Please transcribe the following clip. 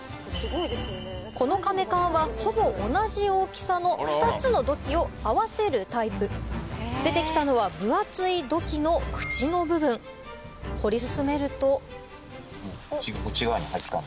この甕棺はほぼ同じ大きさの２つの土器を合わせるタイプ出て来たのは分厚い土器の口の部分掘り進めると内側に入った。